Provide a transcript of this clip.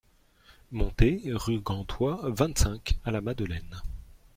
Monté, rue Gantois, vingt-cinq, à La Madeleine.